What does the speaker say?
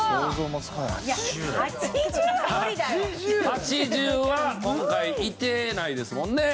８０は今回いてないですもんね。